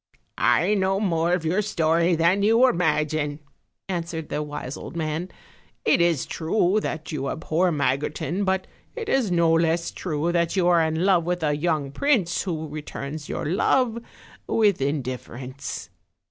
"I know more of your story than you imagine," added the wise old man; "it is true that you abhor Magotin, but it is no less true that you are in love with a young prince, who returns your love with indifference."